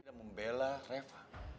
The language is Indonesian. kita membelah reva